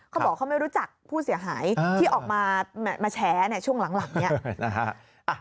เขาบอกเขาไม่รู้จักผู้เสียหายที่ออกมาแฉช่วงหลังเนี่ยนะฮะ